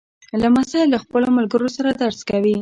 لمسی له خپلو ملګرو سره درس کوي.